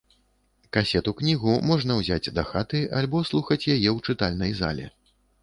Касету-кнігу можна ўзяць дахаты альбо слухаць яе ў чытальнай зале.